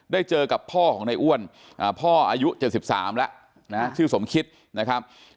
เจอกับพ่อของในอ้วนพ่ออายุ๗๓แล้วนะชื่อสมคิดนะครับ